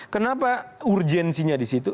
kenapa urgensinya di situ